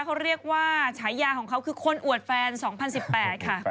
เขาเรียกว่าฉายาของเขาคือคนอวดแฟน๒๐๑๘ค่ะ